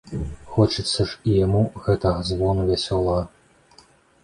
Хочацца ж і яму гэтага звону вясёлага.